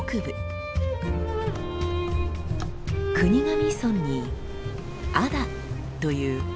国頭村に安田という人口